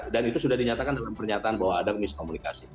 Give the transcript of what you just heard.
dan itu sudah dinyatakan dalam pernyataan bahwa ada miskomunikasi